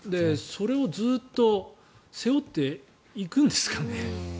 それをずっと背負っていくんですかね？